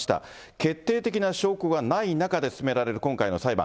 決定的な証拠がない中で進められる今回の裁判。